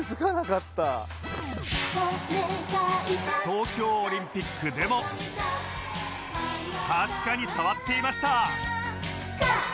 東京オリンピックでも確かに触っていました